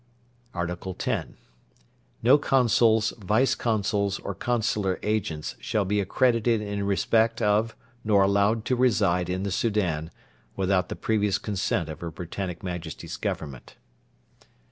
ART. X. No Consuls, Vice Consuls, or Consular Agents shall be accredited in respect of nor allowed to reside in the Soudan, without the previous consent of Her Britannic Majesty's Government.